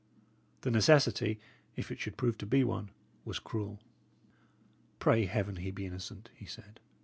The necessity, if it should prove to be one, was cruel. "Pray Heaven he be innocent!" he said.